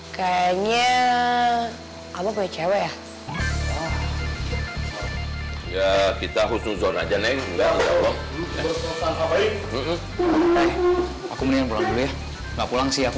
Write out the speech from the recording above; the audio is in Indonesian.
kayaknya apa gue cewek ya ya kita khusus aja nih nggak bisa aku menanggungnya enggak pulang sih aku